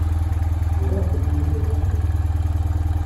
Ẓriɣ belli Yidir d uḥdiq.